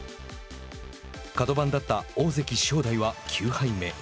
角番だった、大関・正代は９敗目。